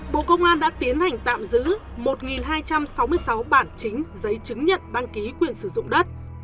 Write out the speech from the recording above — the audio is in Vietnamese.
bộ công an đã tiến hành tạm giữ một hai trăm sáu mươi sáu bản chính giấy chứng nhận đăng ký quyền sử dụng đất